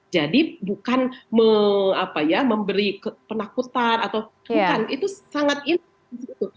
jadi bukan memberi penakutan atau bukan itu sangat itu